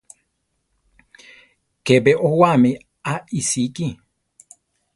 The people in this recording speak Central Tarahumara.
¿Ke be owáami a iʼsíki?